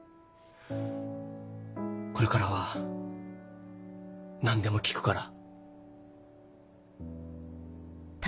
これからは何でも聞くから。